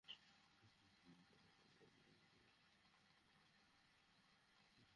তবে স্বামীর বাড়ির লোকজন দাবি করেছে, তিনি গলায় ফাঁস নিয়ে আত্মহত্যা করেছেন।